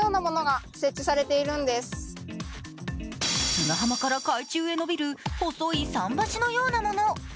砂浜から海中へのびる細い桟橋のようなもの。